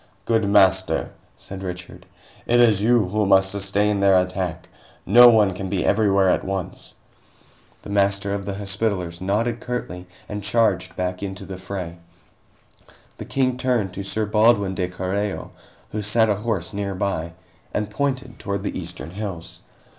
"Good Master," said Richard, "it is you who must sustain their attack. No one can be everywhere at once." The Master of the Hospitallers nodded curtly and charged back into the fray. The King turned to Sir Baldwin de Carreo, who sat ahorse nearby, and pointed toward the eastern hills.